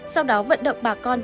sau đó vận động bà con